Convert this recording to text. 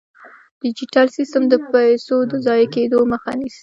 ډیجیټل سیستم د پيسو د ضایع کیدو مخه نیسي.